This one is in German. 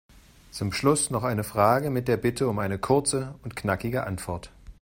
Zum Schluss noch eine Frage mit der Bitte um eine kurze und knackige Antwort.